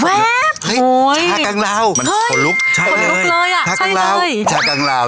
เฮ้ยเฉากังลาว